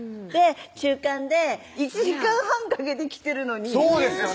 中間で１時間半かけて来てるのにそうですよね